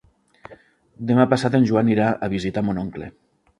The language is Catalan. Demà passat en Joan irà a visitar mon oncle.